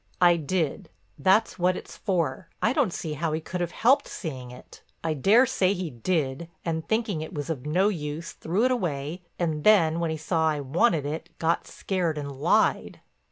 "I did; that's what it's for. I don't see how he could have helped seeing it. I daresay he did and, thinking it was of no use, threw it away and then, when he saw I wanted it, got scared and lied."